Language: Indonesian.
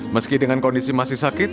meski dengan kondisi masih sakit